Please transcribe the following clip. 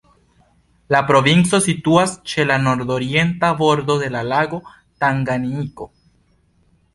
La provinco situas ĉe la nordorienta bordo de la lago Tanganjiko.